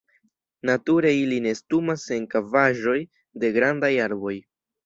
Nature ili nestumas en kavaĵoj de grandaj arboj.